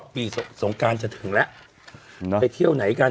ปีสงการจะถึงแล้วไปเที่ยวไหนกัน